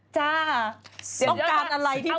จ้าต้องการอะไรพี่นุ่ม